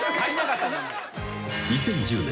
［２０１０年。